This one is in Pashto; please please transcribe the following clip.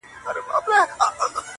څرخ یې وخوړ او کږه سوه ناببره٫